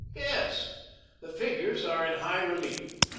Yes. The figures are in high relief.